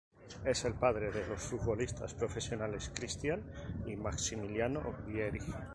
Es el padre de los futbolistas profesionales Christian y Massimiliano Vieri.